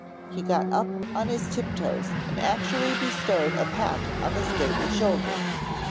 He got up on his tiptoes and actually bestowed a pat on the stately shoulder.